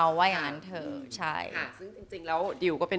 สวัสดีค่ะ